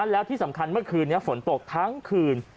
แล้วที่สำคัญเมื่อคืนนี้ฝนตกทั้งคืน